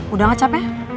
udah gak capek